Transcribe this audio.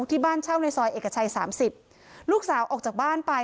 ที่บ้านเช่าในซอยเอกชัย๓๐ลูกสาวออกจากบ้านไป